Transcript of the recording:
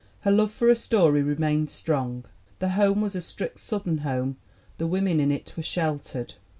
Her love for a story remained strong. The home was a strict Southern home, the women in it were "sheltered."